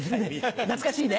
懐かしいね。